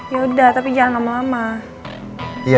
ya udah tapi jangan lama lama